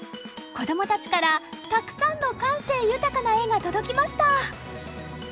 子どもたちからたくさんの感性豊かな絵が届きました！